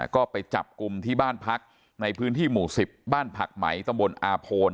ก็ไปจับกลุ่มที่บ้านพักในพื้นที่หมู่๑๐บ้านผักไหมตำบลอาโพน